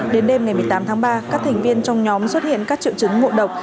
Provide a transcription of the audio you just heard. đến đêm ngày một mươi tám tháng ba các thành viên trong nhóm xuất hiện các triệu chứng ngộ độc